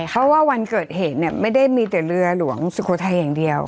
เพราะว่าวันเกิดเหตุไม่ได้มีแต่เรือหลวงสุโขทัยอย่างเดียว